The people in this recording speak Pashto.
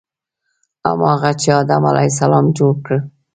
هماغه چې آدم علیه السلام جوړ کړ.